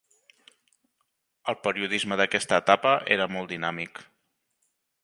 El periodisme d’aquesta etapa era molt dinàmic.